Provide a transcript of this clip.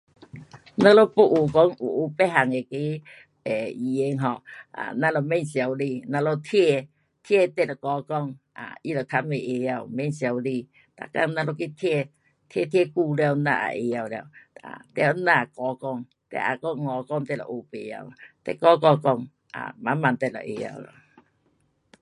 我们 pun 有讲有学别样那个 um 语言，um 啊我们免羞耻，我们听，听你得敢讲，um 他就较快学会，免羞耻，每天我们去听，听听久了咱也会晓了，um 得那样敢讲，你我甭讲你就学不会，你敢敢讲，啊慢慢等下会晓了。